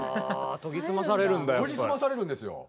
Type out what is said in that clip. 研ぎ澄まされるんですよ。